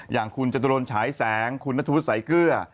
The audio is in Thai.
อย่างคุณจัตรุรฉายแสงคุณณทุพุธสายเกลื้อ